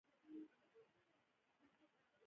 مالیات دایمي اردو او کارکوونکو ته ورکول کېدل.